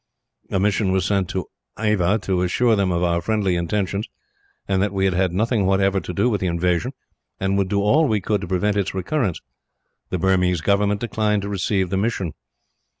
A mission was sent, to Ava, to assure them of our friendly intentions; and that we had had nothing whatever to do with the invasion, and would do all we could to prevent its recurrence. The Burmese government declined to receive the mission.